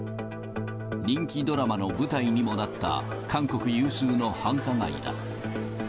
人気ドラマの舞台にもなった、韓国有数の繁華街だ。